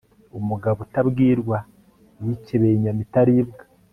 umugabo utabwirwa yikebeye inyama itaribwa